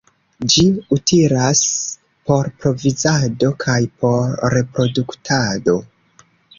Ĝi utilas por provizado kaj por reproduktado.